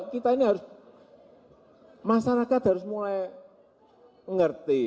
kita ini harus masyarakat harus mulai ngerti